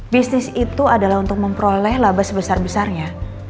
bisnis itu adalah untuk memperoleh laba sebesar besarnya